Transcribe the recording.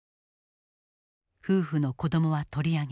夫婦の子どもは取り上げ